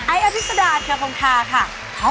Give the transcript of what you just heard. ไอ้อภิษฎาลเบามาานครับ